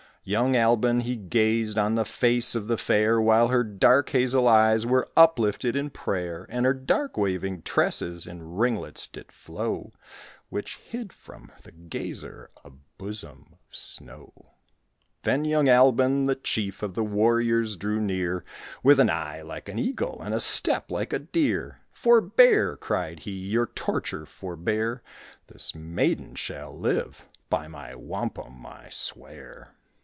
Young Albon, he gazed On the face of the fair While her dark hazel eyes Were uplifted in prayer; And her dark waving tresses In ringlets did flow Which hid from the gazer A bosom of snow. Then young Albon, the chief Of the warriors, drew near, With an eye like an eagle And a step like a deer. "Forbear," cried he, "Your torture forbear; This maiden shall live. By my wampum I swear.